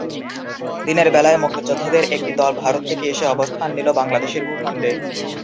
দিনের বেলায় মুক্তিযোদ্ধাদের একটি দল ভারত থেকে এসে অবস্থান নিল বাংলাদেশের ভূখণ্ডে।